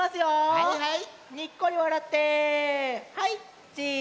はいはい。